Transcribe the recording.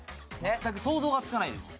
全く想像がつかないです。